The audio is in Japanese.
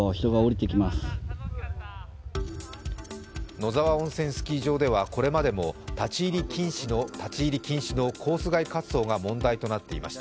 野沢温泉スキー場ではこれまでも立ち入り禁止のコース外滑走が問題となっていました。